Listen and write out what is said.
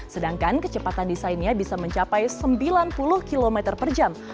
sedangkan kecepatan desainnya bisa mencapai sembilan puluh km per jam